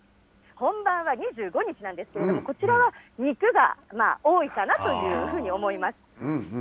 本番は２５日なんですけれども、こちらは肉が多いかなというふうに思います。